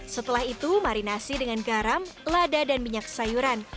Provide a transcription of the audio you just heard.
setelah itu marinasi dengan garam lada dan minyak sayuran